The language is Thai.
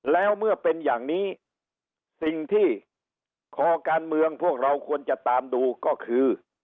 แล้วเมื่อเป็นอย่างนี้สิ่งที่คอการเมืองพวกเราควรจะตามดูก็คือ